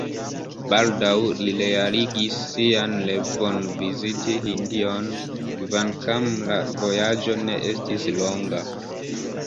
Baldaŭ li realigis sian revon – viziti Hindion, kvankam la vojaĝo ne estis longa.